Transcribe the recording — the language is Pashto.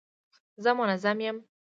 زه منظم یم.